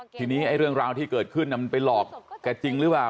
ทีนี้ไอ้เรื่องราวที่เกิดขึ้นมันไปหลอกแกจริงหรือเปล่า